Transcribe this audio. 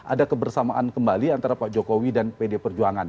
ada kebersamaan kembali antara pak jokowi dan pdip berjuangan